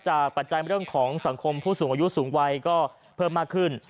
ปัจจัยเรื่องของสังคมผู้สูงอายุสูงวัยก็เพิ่มมากขึ้น